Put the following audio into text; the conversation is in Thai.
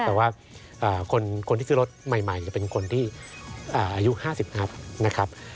แต่ว่าคนที่ขึ้นรถใหม่จะเป็นคนที่อายุ๕๐นับนะครับ